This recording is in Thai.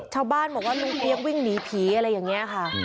ชาวบ้านบอกว่าลุงเปี๊ยกวิ่งหนีผีอะไรอย่างนี้ค่ะ